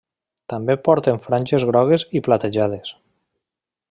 També porten franges grogues i platejades.